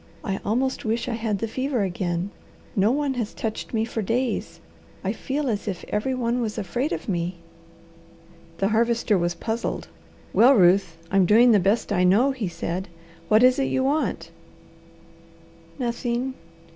"I almost wish I had the fever again. No one has touched me for days. I feel as if every one was afraid of me." The Harvester was puzzled. "Well, Ruth, I'm doing the best I know," he said. "What is it you want?" "Nothing!"